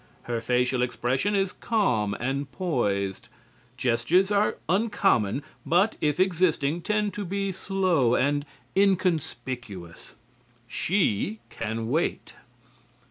Her facial expression is calm and poised. "Gestures are uncommon, but if existing tend to be slow and inconspicuous." She can wait.